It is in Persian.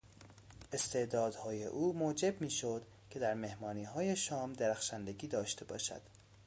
استعدادهای او موجب میشد که در مهمانیهای شام درخشندگی داشته باشد.